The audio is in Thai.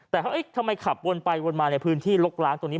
แต่เขาเอ๊ะทำไมขับวนไปวนมาในพื้นที่ลกล้างตรงนี้